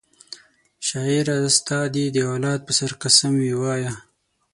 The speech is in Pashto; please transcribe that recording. شاعره ستا دي د اولاد په سر قسم وي وایه